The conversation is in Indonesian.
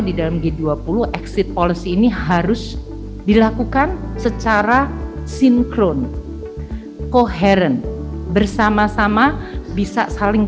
di dalam g dua puluh exit policy ini harus dilakukan secara sinkron koheren bersama sama bisa saling